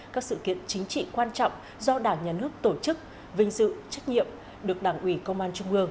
các sự kiện chính trị quan trọng do đảng nhà nước tổ chức vinh dự trách nhiệm được đảng ủy công an trung ương